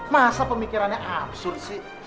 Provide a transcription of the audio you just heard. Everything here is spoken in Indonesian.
masa pemikirannya absurd sih